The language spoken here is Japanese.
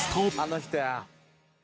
「あの人や」